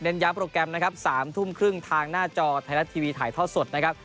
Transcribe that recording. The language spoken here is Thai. ย้ำโปรแกรมนะครับ๓ทุ่มครึ่งทางหน้าจอไทยรัฐทีวีถ่ายทอดสดนะครับ